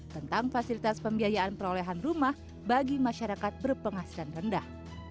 tentang fasilitas pembiayaan perolehan rumah bagi masyarakat berpenghasilan rendah